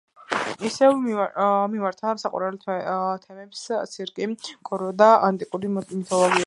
ისევ მიმართა საყვარელ თემებს ცირკი, კორიდა, ანტიკური მითოლოგია.